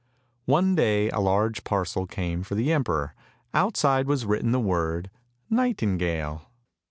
One day a large parcel came for the emperor, outside was written the word " Nightingale."